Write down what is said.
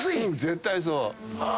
絶対そう。